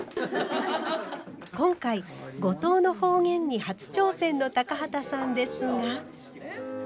今回五島の方言に初挑戦の高畑さんですが。